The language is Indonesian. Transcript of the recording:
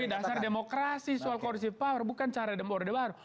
itu dari dasar demokrasi soal coercive power bukan cara order baru